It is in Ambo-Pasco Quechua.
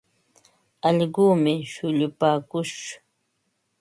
Allquumi shullupaakush.